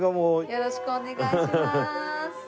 よろしくお願いします。